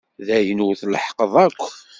D ayen ur tleḥḥqeḍ akk.